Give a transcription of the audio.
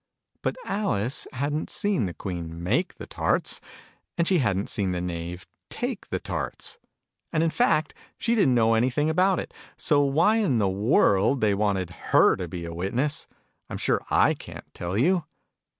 But Alice hadn't seen the Queen make the tarts : and she hadn't seen the Knave take the tarts : and, in fact, she didn't know anything about it : so why in the world they wanted he)' to he a witness, I'm sure I ca'n't tell you